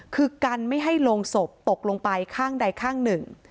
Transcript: คือกันไม่ให้โรงศพตกลงไปข้างใดข้างหนึ่ง